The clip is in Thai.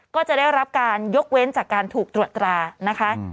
ก็จะได้รับการยกเว้นจากการถูกตรวจตรานะคะ